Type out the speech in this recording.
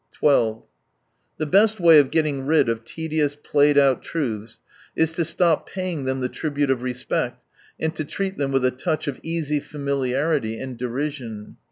12 The best way of getting rid of tedious, played out truths is to stop paying them the tribute of respect and to treat them with a touch of easy familiarity and derision.